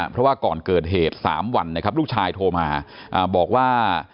เพราะว่าก่อนเกิดเหตุ๓วันนะครับลูกชายโทรมาบอกว่า